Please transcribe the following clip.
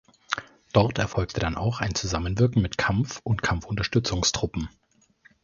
Dort erfolgte dann auch ein Zusammenwirken mit Kampf- und Kampfunterstützungstruppen.